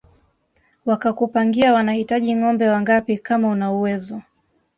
Wakakupangia wanahitaji ngombe wangapi kama una uwezo